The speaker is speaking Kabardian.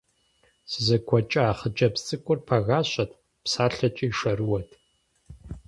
СызэгуэкӀуа хъыджэбз цӀыкӀур пагащэт, псалъэкӀи шэрыуэт.